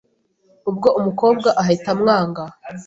ubwo umukobwa ahita amwanga.